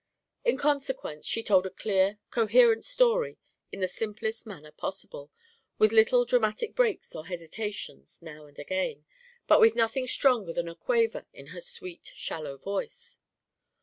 In consequence, she told a clear coherent story, in the simplest manner possible, with little dramatic breaks or hesitations now and again, but with nothing stronger than a quaver in her sweet shallow voice.